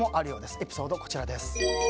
エピソードこちらです。